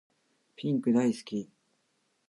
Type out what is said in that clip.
ピンク大好き